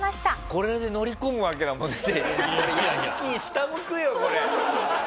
これで乗り込むわけだもんね。